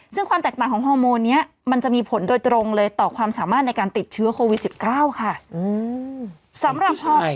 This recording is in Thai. ซึ่งความแตกต่างของฮอร์โมนนี้มันจะมีผลโดยตรงเลยต่อความสามารถในการติดเชื้อโควิด๑๙ค่ะ